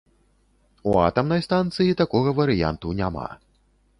У атамнай станцыі такога варыянту няма.